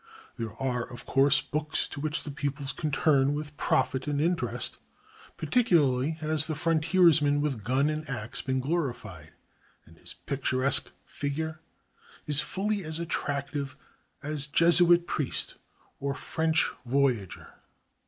There are, of course, books to which the pupils can turn with profit and interest. Particularly has the frontiersman with gun and axe been glorified, and his picturesque figure is fully as attractive as Jesuit priest or French voyageur.